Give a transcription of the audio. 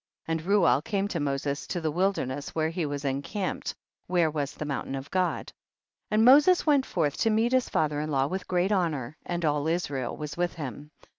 3. And Reuel came to Moses to the wilderness where he was en camped, where was the mountain of God. 4. And Moses went forth to meet his father in law with great honor, and all Israel was with him.